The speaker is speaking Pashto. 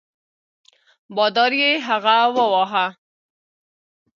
بادار یې هغه وواهه.